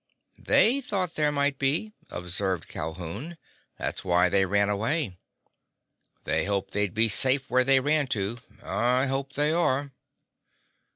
"They thought there might be," observed Calhoun. "That's why they ran away. They hoped they'd be safe where they ran to. I hope they are."